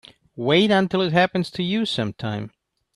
Wait until it happens to you sometime.